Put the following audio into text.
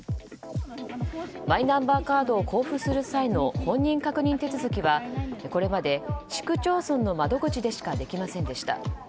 マイナンバーカードを交付する際の本人確認手続きはこれまで市区町村の窓口でしかできませんでした。